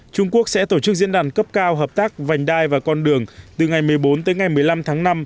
trung quốc sẽ tổ chức diễn đàn cấp cao hợp tác vành đai và con đường từ ngày một mươi bốn tới ngày một mươi năm tháng năm